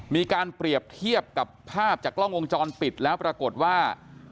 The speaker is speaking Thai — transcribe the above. มีการเปรียบเทียบกับภาพจากกล้องวงจรปิดแล้วปรากฏว่า